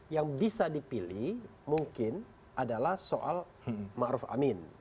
yang bisa dipilih mungkin adalah soal ma'ruf amin